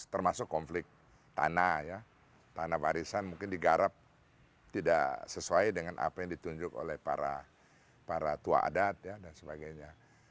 termasuk konflik tanah ya tanah warisan mungkin digarap tidak sesuai dengan apa yang ditunjuk oleh para tua adat dan sebagainya